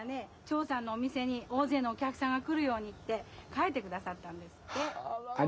チョーさんのお店におおぜいのおきゃくさんが来るようにってかいてくださったんですって。